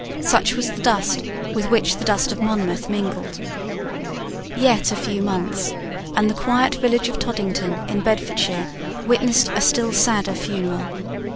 Such was the dust with which the dust of Monmouth mingled. Yet a few months, and the quiet village of Toddington, in Bedfordshire, witnessed a still sadder funeral.